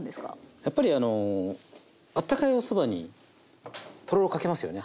やっぱりあのあったかいおそばにとろろかけますよね。